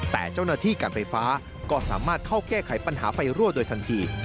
แต่เจ้าหน้าที่การไฟฟ้าก็สามารถเข้าแก้ไขปัญหาไฟรั่วโดยทันที